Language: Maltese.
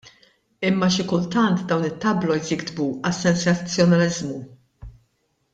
Imma xi kultant dawn it-tabloids jiktbu għas-sensazzjonaliżmu.